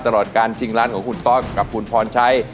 ตลอดการชิงร้านของคุณต้อมกับคุณพรชัย